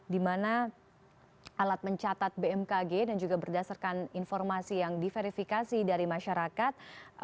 di mana alat mencatat bmkg dan juga berdasarkan informasi yang diverifikasi dari masyarakat